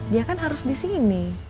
dia kan harus di sini